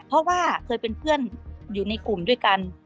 เพราะว่าเคยเป็นเพื่อนอยู่ในกลุ่มด้วยกัน